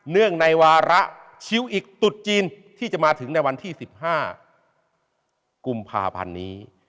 เนื่องในวาระชิลอิกตุดจีนที่จะมาถึงในวันที่๑๕กุมภาพันธ์นี้